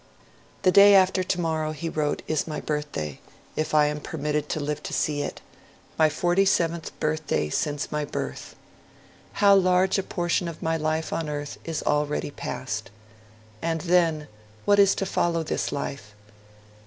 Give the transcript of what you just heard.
'The day after tomorrow,' he wrote, 'is my birthday, if I am permitted to live to see it my forty seventh birthday since my birth. How large a portion of my life on earth is already passed! And then what is to follow this life?